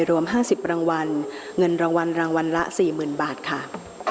รวม๕๐รางวัลเงินรางวัลรางวัลละ๔๐๐๐บาทค่ะ